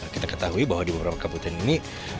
kita ketahui bahwa di beberapa kabupaten ini